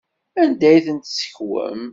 Anda ay tent-tessekwem?